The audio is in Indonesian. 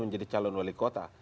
menjadi calon wali kota